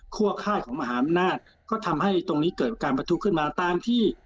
ค่ายของมหาอำนาจก็ทำให้ตรงนี้เกิดการประทุขึ้นมาตามที่